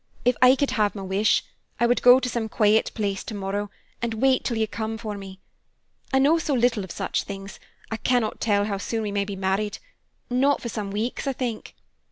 If I could have my wish, I would go to some quiet place tomorrow and wait till you come for me. I know so little of such things, I cannot tell how soon we may be married; not for some weeks, I think."